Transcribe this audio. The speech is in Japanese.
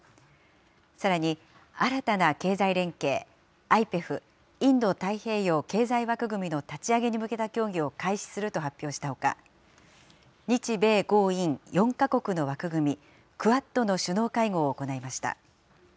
さらに、新たな経済連携、ＩＰＥＦ・インド太平洋経済枠組みの立ち上げに向けた協議を開始すると発表したほか、日米豪印４か国の枠組み、クアッドの首脳会合を行いました。